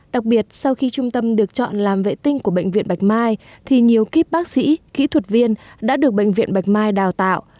đặc biệt sau khi trung tâm được chọn làm vệ tinh của bệnh viện bạch mai thì nhiều kíp bác sĩ kỹ thuật viên đã được bệnh viện bạch mai đào tạo